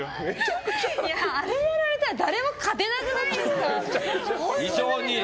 あれやられたら誰も勝てなくないですか。